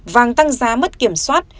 vàng tăng giá mất kiểm soát